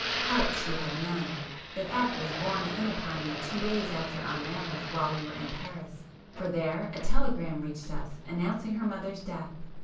Heart she had none; that fact was borne in upon me two days after our marriage while we were in Paris, for there a telegram reached us announcing her mother's death.